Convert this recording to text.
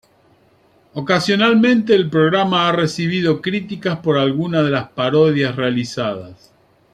Ocasionalmente, el programa ha recibido críticas por algunas de las parodias realizadas.